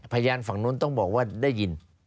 พยานฝั่งนู้นต้องบอกว่าได้ยิน